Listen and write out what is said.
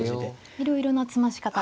いろいろな詰まし方が。